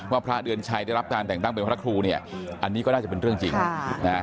พระเดือนชัยได้รับการแต่งตั้งเป็นพระครูเนี่ยอันนี้ก็น่าจะเป็นเรื่องจริงนะฮะ